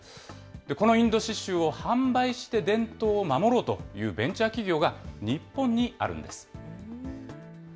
このインド刺しゅうを販売して伝統を守ろうというベンチャー企業が日本にあるんです。